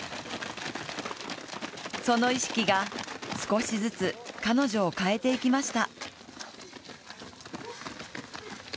その意識が、少しずつ彼女を変えていきました。